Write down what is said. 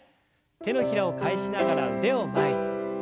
手のひらを返しながら腕を前に。